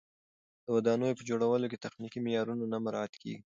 د ودانیو په جوړولو کې تخنیکي معیارونه نه مراعت کېږي.